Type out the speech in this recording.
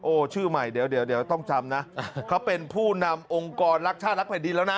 ชื่อใหม่เดี๋ยวเดี๋ยวต้องจำนะเขาเป็นผู้นำองค์กรรักชาติรักแผ่นดินแล้วนะ